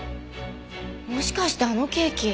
もしかしてあのケーキ。